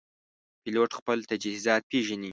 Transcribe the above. پیلوټ خپل تجهیزات پېژني.